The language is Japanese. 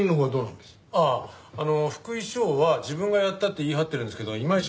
ああ福井翔は自分がやったって言い張ってるんですけどいまいち